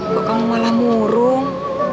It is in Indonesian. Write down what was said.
kok kamu malah murung